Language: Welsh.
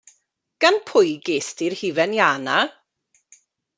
Gan pwy gest ti'r hufen ia 'na?